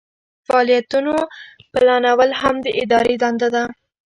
د فعالیتونو پلانول هم د ادارې دنده ده.